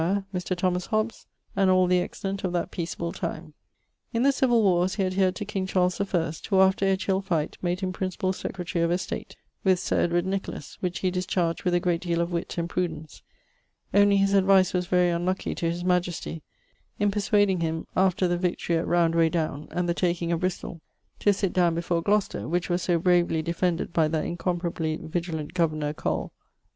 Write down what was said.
Mr. Thomas Hobbes, and all the excellent of that peaceable time. In the civill warres he adhered to King Charles I, who after Edge hill fight made him Principall Secretary of Estate (with Sir Edward Nicholas), which he dischardged with a great deale of witt and prudence, only his advice was very unlucky to his Majestie, in perswading him (after the victory at Rowndway downe, and the taking of Bristowe), to sitt downe before Glocester, which was so bravely defended by that incomparably vigilant governor coll....